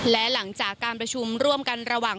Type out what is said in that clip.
และหลังจากการประชุมร่วมกันระหว่าง